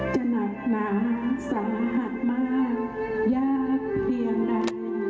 หนักหนาสาหัสมากยากเพียงไหน